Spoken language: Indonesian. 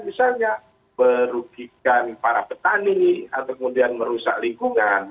misalnya merugikan para petani atau kemudian merusak lingkungan